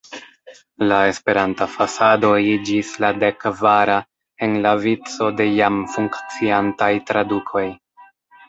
La Esperanta fasado iĝis la dek-kvara en la vico de jam funkciantaj tradukoj.